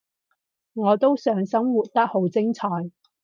我都想生活得好精彩